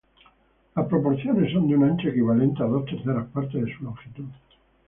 Las proporciones son de un ancho equivalente a dos terceras partes de su longitud.